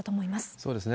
そうですね。